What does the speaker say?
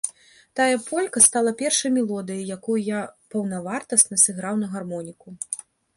Тая полька стала першай мелодыяй, якую я паўнавартасна сыграў на гармоніку.